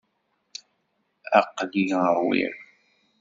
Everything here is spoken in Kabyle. Aql-i ṛwiɣ.